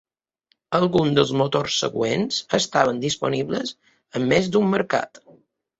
Alguns dels motors següents estaven disponibles en més d'un mercat.